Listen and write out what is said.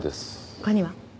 他には？